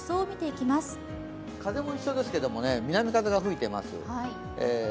風も一緒ですけど南風が吹いています。